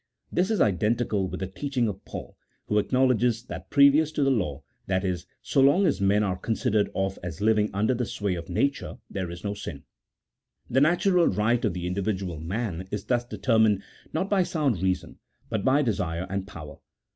This is identical with the teaching of Paul, who acknowledges that previous to the law — that is, so long as men are considered of as living under the sway of nature, there is no sin. The natural right of the individual man is thus deter mined, not by sound reason, but by desire and power.